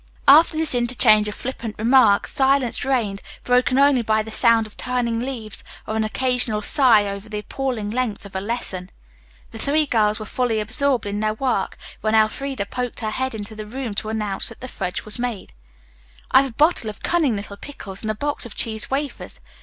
After this interchange of flippant remarks silence reigned, broken only by the sound of turning leaves or an occasional sigh over the appalling length of a lesson. The three girls were fully absorbed in their work when Elfreda poked her head in the room to announce that the fudge was made. "I've a bottle of cunning little pickles, and a box of cheese wafers.